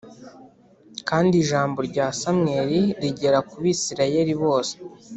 Kandi ijambo rya Samweli rigera ku bisirayeli bose